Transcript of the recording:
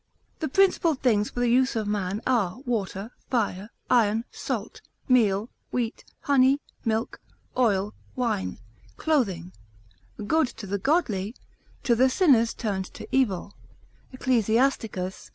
The principal things for the use of man, are water, fire, iron, salt, meal, wheat, honey, milk, oil, wine, clothing, good to the godly, to the sinners turned to evil, Ecclus.